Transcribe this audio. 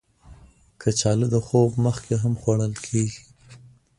کچالو د خوب مخکې هم خوړل کېږي